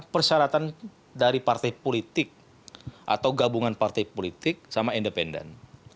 persyaratan dari partai politik atau gabungan partai politik sama independen